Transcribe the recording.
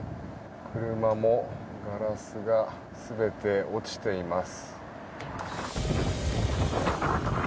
車もガラスが全て落ちています。